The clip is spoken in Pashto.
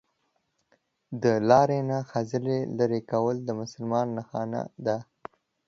دا لار نه خځلي لري کول د مسلمان نښانه ده